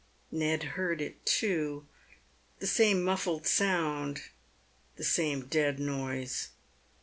Ned heard it too. The same muffled sound — the same dead noise.